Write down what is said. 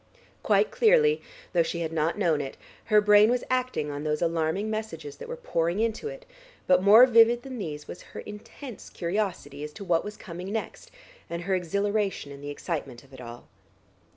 Quite clearly, though she had not known it, her brain was acting on those alarming messages that were pouring into it, but more vivid than these was her intense curiosity as to what was coming next, and her exhilaration in the excitement of it all.